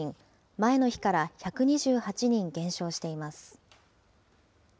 前の日から１２８人減少しています。